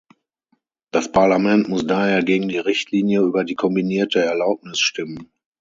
Das Parlament muss daher gegen die Richtlinie über die kombinierte Erlaubnis stimmen.